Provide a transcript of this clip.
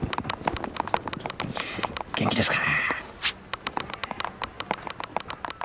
元気ですか！